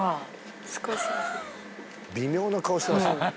微妙な顔してますよ